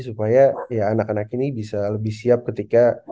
supaya anak anak ini bisa lebih siap ketika